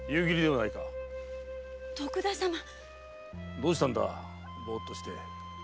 どうしたんだボッとして。